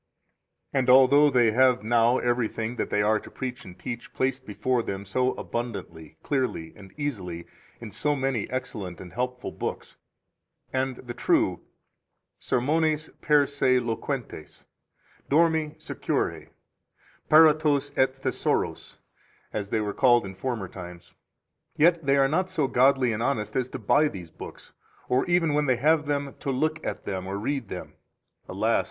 2 And although they have now everything that they are to preach and teach placed before them so abundantly, clearly, and easily, in so many [excellent and] helpful books, and the true Sermones per se loquentes, Dormi secure, Paratos et Thesauros, as they were called in former times; yet they are not so godly and honest as to buy these books, or even when they have them, to look at them or read them. Alas!